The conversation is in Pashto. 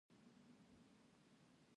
بزګان د افغانستان یو ډول طبعي ثروت دی.